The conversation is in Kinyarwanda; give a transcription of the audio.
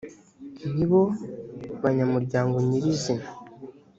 nibo banyamuryango nyir izina